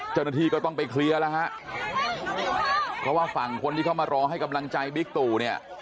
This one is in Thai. เจ้าหน้าที่ก็ต้องไปเคลียร์แล้วฮะเพราะว่าฝั่งคนที่เข้ามารอให้กำลังใจบิ๊กตู่เนี่ย